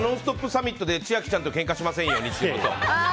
サミットで千秋ちゃんとけんかしませんようにと。